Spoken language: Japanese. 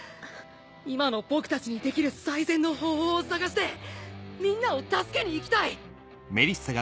今の僕たちにできる最善の方法を探してみんなを助けに行きたい！